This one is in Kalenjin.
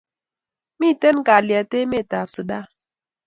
Miten kalyet emet ab Sudan